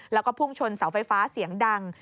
แล้วก็พุ่งชนเสาไฟฟ้าเสียงดัง